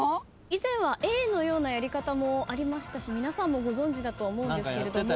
以前はＡのようなやり方もありましたし皆さんもご存じだと思うんですけれども。